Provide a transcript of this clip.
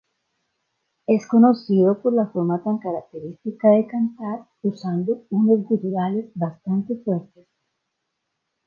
Es conocido por la forma tan característica de cantar usando unos guturales bastante fuertes.